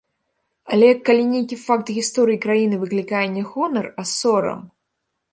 Але, калі нейкі факт гісторыі краіны выклікае не гонар, а сорам?